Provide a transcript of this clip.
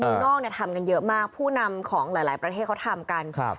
เมืองนอกเนี่ยทำกันเยอะมากผู้นำของหลายประเทศเขาทำกัน